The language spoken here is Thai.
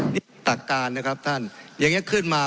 นี่ตักการนะครับท่านอย่างนี้ขึ้นมา